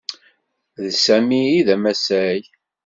D Sami ay d amasay.